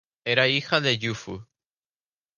Era hija de Jufu.